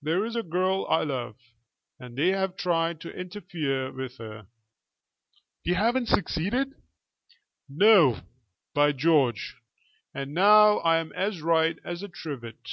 There is a girl I love, and they have tried to interfere with her." "They haven't succeeded?" "No, by George! And now I'm as right as a trivet.